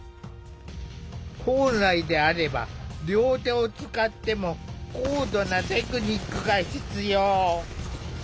本来であれば両手を使っても高度なテクニックが必要。